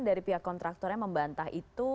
dari pihak kontraktornya membantah itu